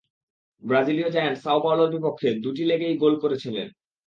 ব্রাজিলীয় giant সাও পাওলোর বিপক্ষে দুই লেগেই দুটি করে গোল করেছিলেন।